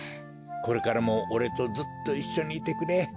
これからもおれとずっといっしょにいてくれ。